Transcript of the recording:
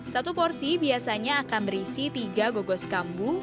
satu porsi biasanya akan berisi tiga gogos kambu